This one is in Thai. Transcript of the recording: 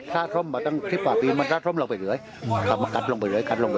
ถ้าช่อมเมื่อ๙๑๒ปีมันถ้าช่อมลงไปเหลือครับมากัดลงไปเหลือ